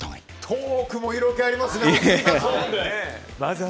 トークも色気ありますね！